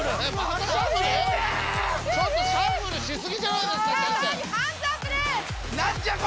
ちょっとシャッフルし過ぎじゃないですか先生。